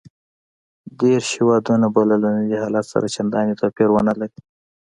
دېرش هېوادونه به له ننني حالت سره چندان توپیر ونه لري.